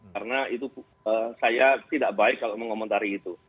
karena itu saya tidak baik kalau mengomentari itu